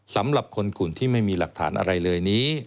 สำหรับคนขุนที่ไม่มีหลักฐานอะไรเลย